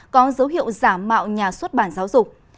có dấu hiệu giả mạo nhà xuất bản giáo dục